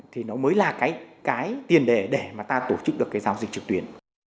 thì nó mới là cái tiền để mà ta tổ chức được cái giao dịch trực tuyển